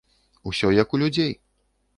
Усё як у людзей!